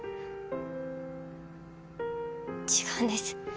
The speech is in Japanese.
違うんです